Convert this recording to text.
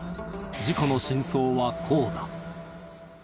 事故の真相はこうだ。